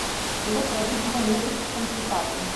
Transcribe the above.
Было праведзена некалькі кансультацый.